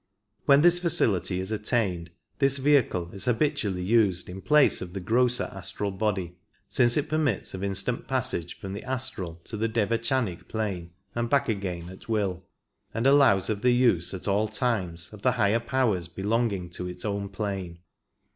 When this facility is attained this vehicle is habitually used in place of the grosser astral body, since it permits of instant passage from the astral to the devachanic plane and back again at will, and allows of the use at all times of the higher powers belonging to its own plane.